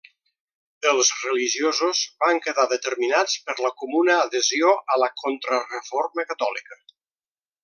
Els religiosos van quedar determinats per la comuna adhesió a la Contrareforma catòlica.